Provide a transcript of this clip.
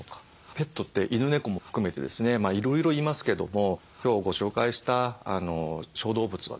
ペットって犬猫も含めてですねいろいろいますけども今日ご紹介した小動物はですね